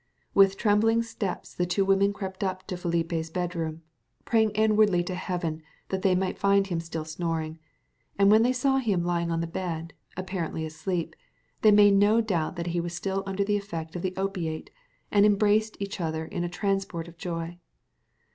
With trembling steps the two women crept up to Felipe's bedroom, praying inwardly to Heaven that they might find him still snoring; and when they saw him lying on the bed, apparently asleep, they made no doubt that he was still under the effect of the opiate, and embraced each other in a transport of joy.